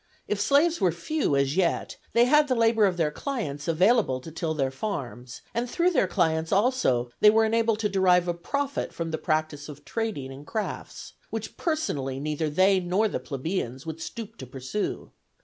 If slaves were few as yet, they had the labor of their clients available to till their farms; and through their clients also they were enabled to derive a profit from the practice of trading and crafts, which personally neither they nor the plebeians would stoop to pursue.